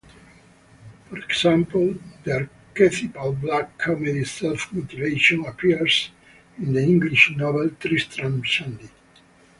For example, the archetypal black comedy self-mutilation appears in the English novel "Tristram Shandy".